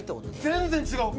「全然違う。